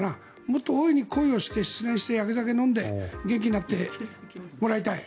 もっと大いに恋をして失恋して、やけ酒を飲んで元気になってもらいたい。